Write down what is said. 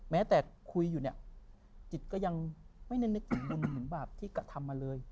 แม้แต่คุยอยู่เนี่ยจิตก็ยังไม่ได้นึกถึงบุญเหมือนบาปที่กระทำมาเลย